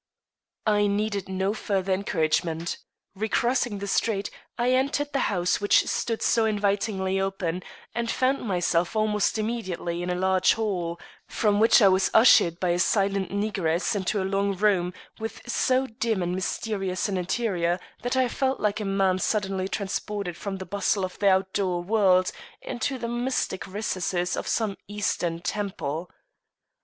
I needed no further encouragement. Recrossing the street, I entered the house which stood so invitingly open, and found myself almost immediately in a large hall, from which I was ushered by a silent negress into a long room with so dim and mysterious an interior that I felt like a man suddenly transported from the bustle of the out door world into the mystic recesses of some Eastern temple.